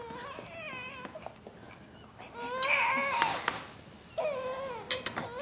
ごめんね。